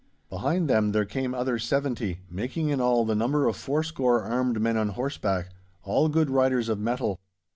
Behind him there came other seventy, making in all the number of fourscore armed men on horseback, all good riders of mettle.